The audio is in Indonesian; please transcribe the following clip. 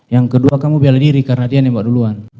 yang kedua kamu bela diri karena dia nembak duluan